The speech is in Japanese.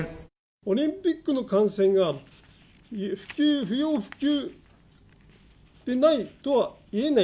オリンピックの感染が、不要不急でないとは言えない。